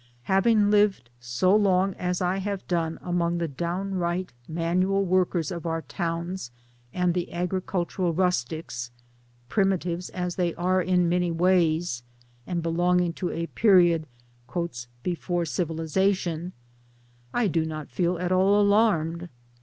Having lived so long as I have done among the downright manual workers of our towns and the agricultural rustics primitives as they are in many ways and belonging to a period " before civi lization "I do hot feel at all alarmed.